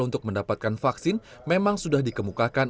untuk mendapatkan vaksin memang sudah dikemukakan